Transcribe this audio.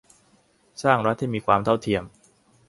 สร้างรัฐที่มีความเท่าเทียม